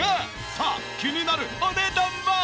さあ気になるお値段は！？